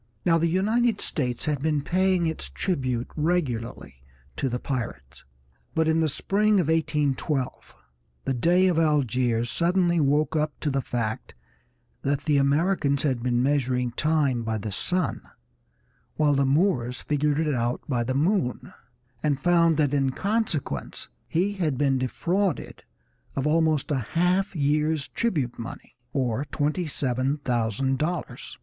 Now the United States had been paying its tribute regularly to the pirates, but in the spring of 1812 the Dey of Algiers suddenly woke up to the fact that the Americans had been measuring time by the sun while the Moors figured it by the moon, and found that in consequence he had been defrauded of almost a half year's tribute money, or twenty seven thousand dollars.